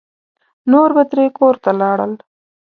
نور به ترې کور ته لاړل.